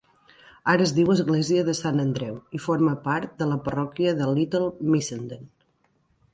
Ara es diu església de Sant Andreu i forma part de la parròquia de Little Missenden.